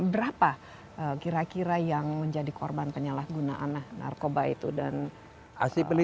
berapa kira kira yang menjadi korban penyalahgunaan narkoba ini